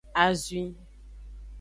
Azwi.